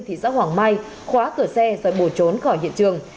thị xã hoàng mai khóa cửa xe rồi bỏ trốn khỏi hiện trường